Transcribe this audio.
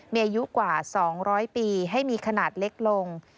มีอายุกว่า๒๐๐ปีให้มีขนาดเล็กลง